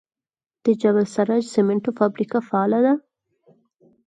د جبل السراج سمنټو فابریکه فعاله ده؟